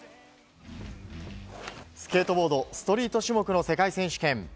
スケートボードストリート種目の世界選手権。